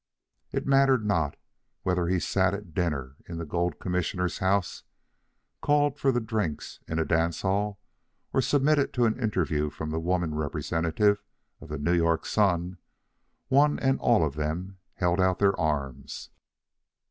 It mattered not whether he sat at dinner in the gold commissioner's house, called for the drinks in a dancehall, or submitted to an interview from the woman representative of the New York Sun, one and all of them held out their arms.